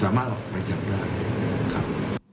สามารถออกมาจับได้ครับ